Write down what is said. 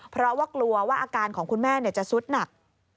เพราะว่ากลัวว่าอาการของคุณแม่จะสุดหนัก